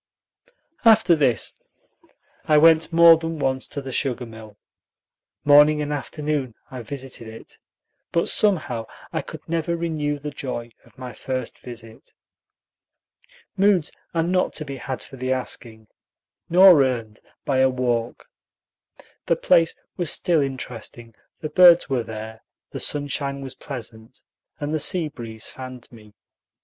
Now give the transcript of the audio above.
After this I went more than once to the sugar mill. Morning and afternoon I visited it, but somehow I could never renew the joy of my first visit. Moods are not to be had for the asking, nor earned by a walk. The place was still interesting, the birds were there, the sunshine was pleasant, and the sea breeze fanned me.